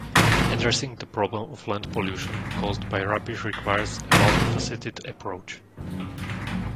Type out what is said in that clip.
Addressing the problem of land pollution caused by rubbish requires a multi-faceted approach.